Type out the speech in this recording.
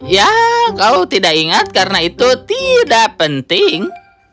ya kau tidak ingat karena itu tidak penting